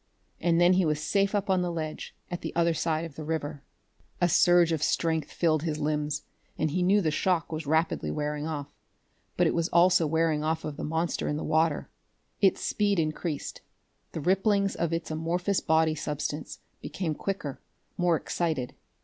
And then he was safe up on the ledge at the other side of the river. A surge of strength filled his limbs, and he knew the shock was rapidly wearing off. But it was also wearing off of the monster in the water. Its speed increased; the ripplings of its amorphous body substance became quicker, more excited.